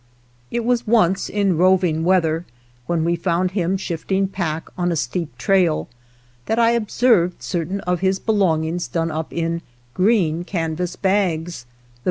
It was once in roving weather, when we found hirri shifting pack on a steep trail, that I observed certain of his be longings done up in green canvas bags, the.